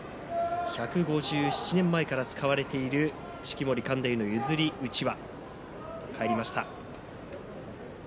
１５７年前から使われている式守勘太夫の譲りうちわ。